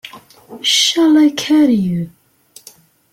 Shall I carry you.